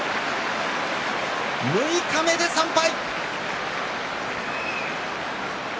六日目で３敗。